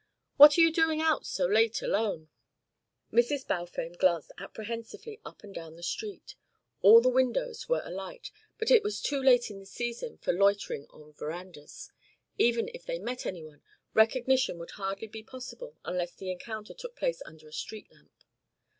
What are you doing out so late alone?" Mrs. Balfame glanced apprehensively up and down the street. All the windows were alight, but it was too late in the season for loitering on verandas; even if they met any one, recognition would hardly be possible unless the encounter took place under a street lamp.